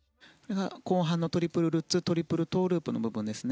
後半のトリプルルッツトリプルトウループの部分。